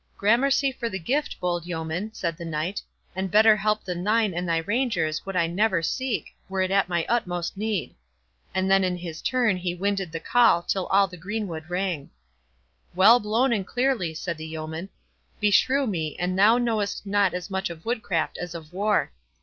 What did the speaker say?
"Gramercy for the gift, bold yeoman," said the Knight; "and better help than thine and thy rangers would I never seek, were it at my utmost need." And then in his turn he winded the call till all the greenwood rang. "Well blown and clearly," said the yeoman; "beshrew me an thou knowest not as much of woodcraft as of war!